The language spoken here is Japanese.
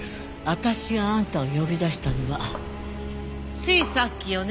私があんたを呼び出したのはついさっきよね？